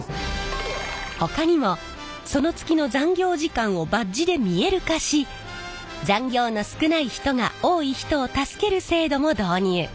ほかにもその月の残業時間をバッジで見える化し残業の少ない人が多い人を助ける制度も導入。